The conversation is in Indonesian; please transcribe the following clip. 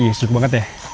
iya sejuk banget ya